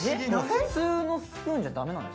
普通のスプーンじゃダメなんですか？